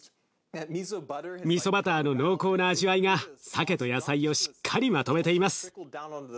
みそバターの濃厚な味わいがさけと野菜をしっかりまとめています。